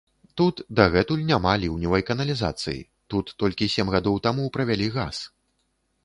Тут дагэтуль няма ліўневай каналізацыі, тут толькі сем гадоў таму правялі газ.